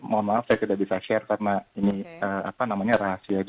mohon maaf saya tidak bisa share karena ini apa namanya rahasia